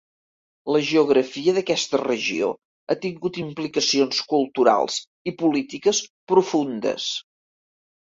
La geografia d'aquesta regió ha tingut implicacions culturals i polítiques profundes.